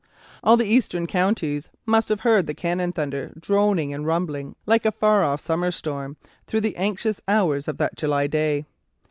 All the Eastern counties must have heard the cannon thunder droning and rumbling like a far off summer storm through the anxious hours of that July day.